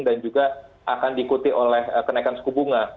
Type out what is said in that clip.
dan juga akan diikuti oleh kenaikan suku bunga